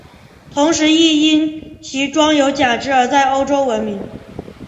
同时亦因其装有假肢而在欧洲闻名。